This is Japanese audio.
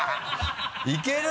いける？